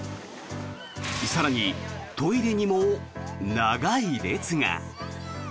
更に、トイレにも長い列が。